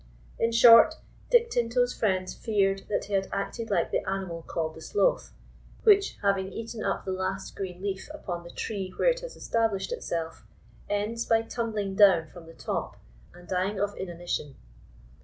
In short, Dick Tinto's friends feared that he had acted like the animal called the sloth, which, heaving eaten up the last green leaf upon the tree where it has established itself, ends by tumbling down from the top, and dying of inanition.